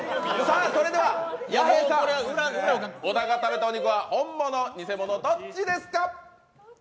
それでは、弥平さん、小田が食べたお肉は本物か、偽物か、どっちですか？